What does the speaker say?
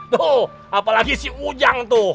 tuh apalagi si ujang tuh